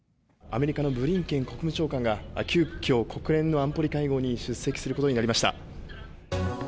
アメリカのブリンケン国務長官が、急きょ、国連の安保理会合に出席することになりました。